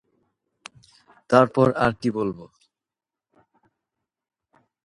This leads them to discover that their spouses had been having an affair.